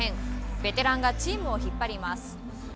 ベテランがチームを引っ張ります。